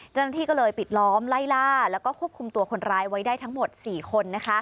เจ้าหน้าที่ก็เลยปิดล้อมไล่ล่าแล้วก็ควบคุมตัวคนร้ายไว้ได้ทั้งหมด๔คน